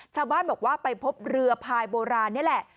ชาวบ้านบอกว่าไปพบเรือพายโบราณนี่แหละ